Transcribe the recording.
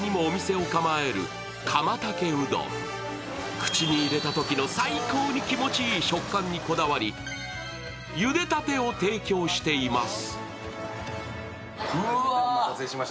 口に入れたときの採光に気持ちいい食感にこだわりゆでたてを提供しています。